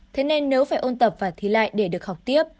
thế nên nếu phải ôn tập và thi lại để được học tiếp